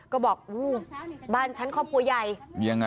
ก็บอกบ้านชั้นครอบครัวใหญ่